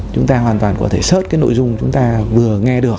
chúng ta hoàn toàn có thể xớt cái nội dung chúng ta vừa nghe được